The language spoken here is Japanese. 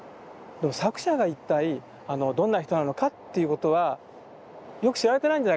でも作者が一体どんな人なのかっていうことはよく知られてないんじゃないかと思うんですね。